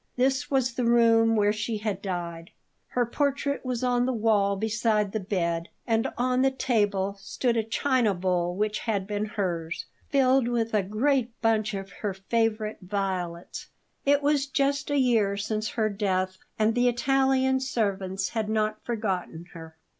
This was the room where she had died. Her portrait was on the wall beside the bed; and on the table stood a china bowl which had been hers, filled with a great bunch of her favourite violets. It was just a year since her death; and the Italian servants had not forgotten her.